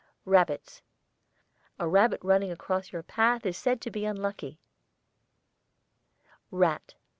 RABBITS. A rabbit running across your path is said to be unlucky. RAT.